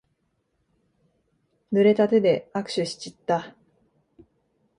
ぬれた手で握手しちった。